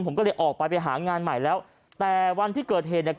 ผมก็เลยออกไปไปหางานใหม่แล้วแต่วันที่เกิดเหตุเนี่ย